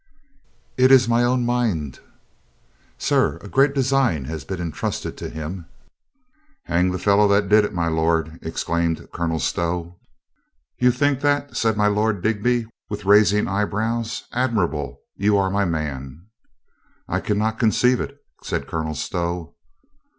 "It is my own mind. Sir, a great design has been entrusted to him." "Hang the fellow that did it, my lord," exclaimed Colonel Stow. "You think that?" said my Lord Digby, with 350 COLONEL GREATHEART rising eyebrows. "Admirable. You are my man." "I can not conceive it," said Colonel Stow.